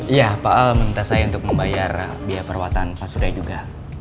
iya pak al meminta saya untuk membayar biaya perawatan pak surya juga